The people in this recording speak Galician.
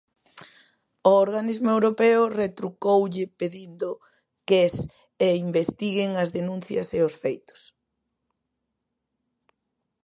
O organismo europeo retrucoulle pedindo ques e investiguen as denuncias e os feitos.